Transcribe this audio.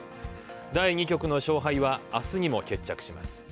第２局の勝敗は明日にも決着します。